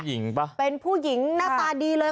ผู้หญิงป่ะเป็นผู้หญิงหน้าตาดีเลย